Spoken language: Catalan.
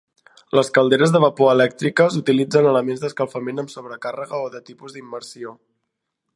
Les calderes de vapor elèctriques utilitzen elements d'escalfament amb sobrecàrrega o de tipus d'immersió.